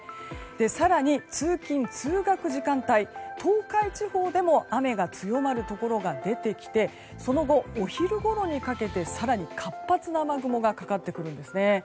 更に通勤・通学時間帯は東海地方でも雨が強まるところが出てきてその後、お昼ごろにかけて更に活発な雨雲がかかってくるんですね。